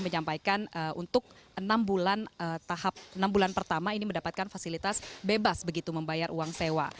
menyampaikan untuk enam bulan pertama ini mendapatkan fasilitas bebas begitu membayar uang sewa